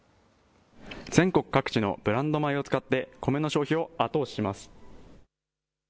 全国各地のブランド米を使ってコメの消費を後押しします。